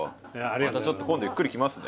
またちょっと今度ゆっくり来ますね。